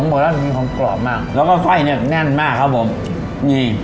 ผมบอกแล้วว่ามีของกรอบมากแล้วก็ไส้เนี้ยแน่นมากครับผมนี่